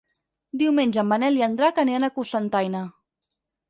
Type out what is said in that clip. Diumenge en Manel i en Drac aniran a Cocentaina.